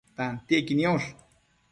tantiequi niosh